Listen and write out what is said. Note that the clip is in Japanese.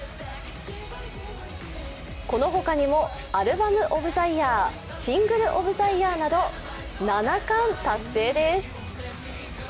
このほかにも、アルバム・オブ・ザ・イヤーシングル・オブ・ザ・イヤーなど７冠達成です。